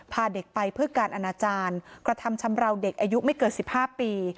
พาเด็กไปเพื่อการอนาจารย์กระทำชำราวเด็กอายุไม่เกิน๑๕ปี